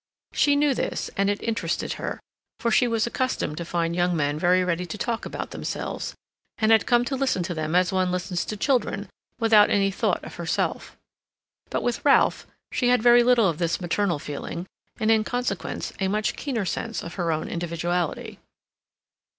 She knew this and it interested her, for she was accustomed to find young men very ready to talk about themselves, and had come to listen to them as one listens to children, without any thought of herself. But with Ralph, she had very little of this maternal feeling, and, in consequence, a much keener sense of her own individuality.